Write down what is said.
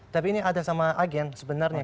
tapi ini ada sama agen sebenarnya